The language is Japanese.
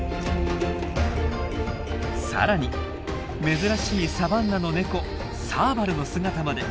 更に珍しいサバンナのネコサーバルの姿まで。